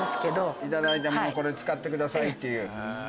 頂いたものこれ使ってくださいっていう。